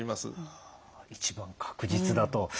一番確実だと。